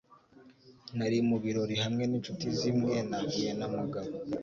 Nari mu birori hamwe ninshuti zimwe nahuye na Mugabo.